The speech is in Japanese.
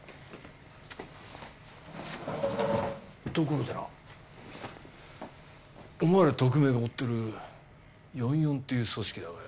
ところでなお前ら特命が追ってる４４っていう組織だがよ。